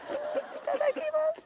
いただきます。